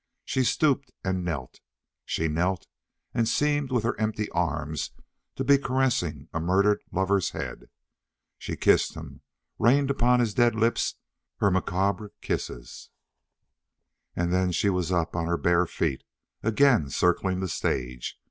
She stooped and knelt. She knelt and seemed with her empty arms to be caressing a murdered lover's head. She kissed him, rained upon his dead lips her macabre kisses. And then she was up on her bare feet, again circling the stage.